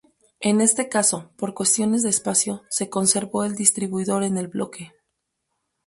En este caso, por cuestiones de espacio, se conservó el distribuidor en el bloque.